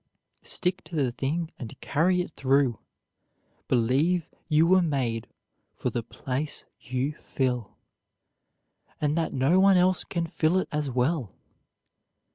Stick to the thing and carry it through. Believe you were made for the place you fill, and that no one else can fill it as well.